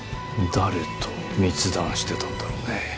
誰と密談してたんだろうね。